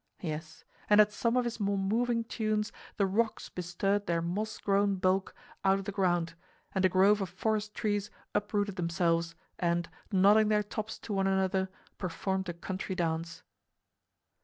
Yes, and at some of his more moving tunes the rocks bestirred their moss grown bulk out of the ground, and a grove of forest trees uprooted themselves and, nodding their tops to one another, performed a country dance.